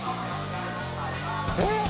えっ？